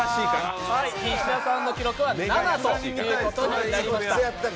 石田さんの記録は７ということになりました。